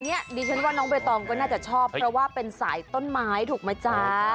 ดิฉันว่าน้องใบตองก็น่าจะชอบเพราะว่าเป็นสายต้นไม้ถูกไหมจ๊ะ